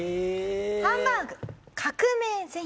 ハンバーグ革命前夜。